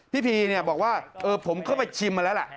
พีเนี่ยบอกว่าผมเข้าไปชิมมาแล้วล่ะ